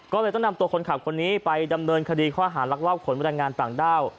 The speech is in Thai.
ก็เลยต้องนำตัวคนขับคนนี้ไปดำเนินคดีข้อหารลักลอบขนบรรยายงานต่างด้าว